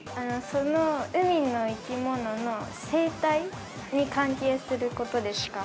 ◆その海の生き物の生態に関係することですか。